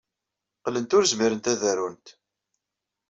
Qqlent ur zmirent ad arunt.